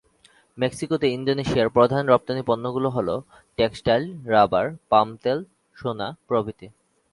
মেক্সিকোতে ইন্দোনেশিয়ার প্রধান রপ্তানি পণ্যগুলো হল, টেক্সটাইল, রাবার, পাম তেল, সোনা প্রভৃতি।